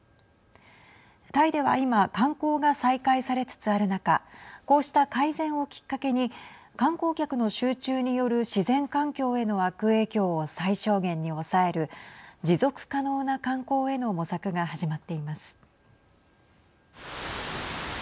タイでは今観光が再開されつつある中こうした改善をきっかけに観光客の集中による自然環境への悪影響を最小限に抑える持続可能な観光への模索が始まっています。